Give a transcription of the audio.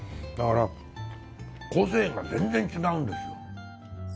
だから個性が全然違うんですよ。